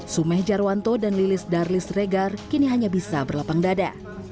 sumeh jarwanto dan lilis darlis regar kini hanya bisa berlapang dada